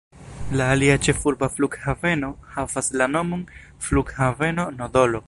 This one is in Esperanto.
La alia ĉefurba flughaveno havas la nomon flughaveno N’Dolo.